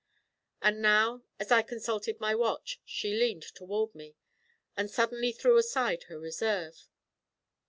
And now, as I consulted my watch, she leaned toward me, and suddenly threw aside her reserve.